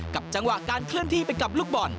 กับจังหวะการเคลื่อนที่ไปกับลูกบอล